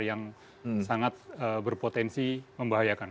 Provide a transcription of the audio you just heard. yang sangat berpotensi membahayakan